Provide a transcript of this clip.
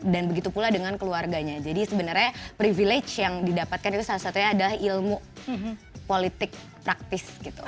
dan begitu pula dengan keluarganya jadi sebenarnya privilege yang didapatkan itu salah satunya adalah ilmu politik praktis gitu